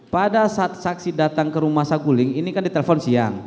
pada saat saksi datang ke rumah saguling ini kan ditelepon siang